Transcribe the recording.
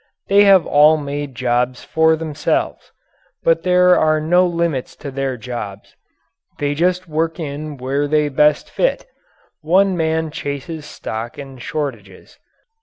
They have all made jobs for themselves but there are no limits to their jobs. They just work in where they best fit. One man chases stock and shortages.